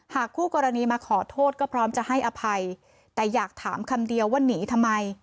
คู่กรณีมาขอโทษก็พร้อมจะให้อภัยแต่อยากถามคำเดียวว่าหนีทำไม